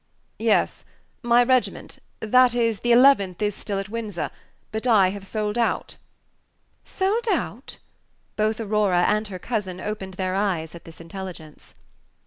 "Yes, my regiment that is, the Eleventh is still at Windsor; but I have sold out." "Sold out!" Both Aurora and her cousin opened their eyes at this intelligence.